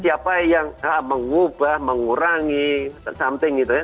siapa yang mengubah mengurangi something gitu ya